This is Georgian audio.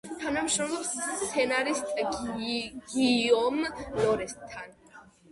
თანამშრომლობს სცენარისტ გიიომ ლორენთან.